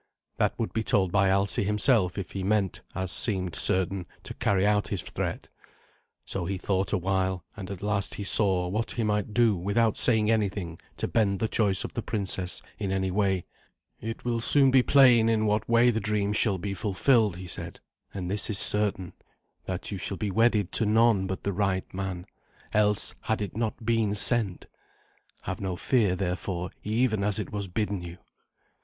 That would be told by Alsi himself if he meant, as seemed certain, to carry out his threat. So he thought awhile, and at last he saw what he might do without saying anything to bend the choice of the princess in any way. "It will soon be plain in what way the dream shall be fulfilled," he said; "and this is certain, that you shall be wedded to none but the right man, else had it not been sent. Have no fear, therefore, even as it was bidden you."